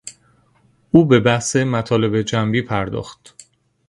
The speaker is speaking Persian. او به بحث مطالب جنبی پرداخت.